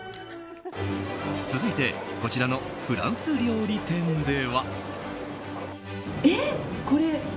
続いてこちらのフランス料理店では。